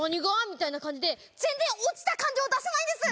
みたいな感じで全然落ちた感じを出さないんです。